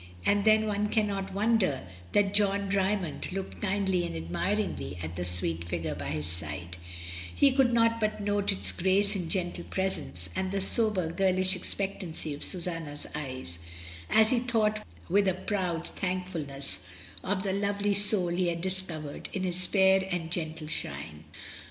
And then one cannot wonder that John Dymond looked kindly and admiringly at the sweet figure by his side; he could not but note its grace and gentle presence, and the sober girlish expectancy of Susanna's eyes, as he thought with a proud thank fulness of the lovely soul he had discovered in its fair and gentle shrine.